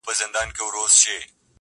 o ما منلی پر ځان حکم د سنګسار دی,